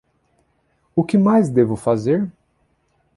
O que mais devo fazer?